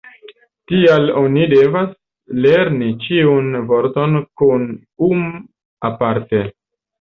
Tial oni devas lerni ĉiun vorton kun -um- aparte.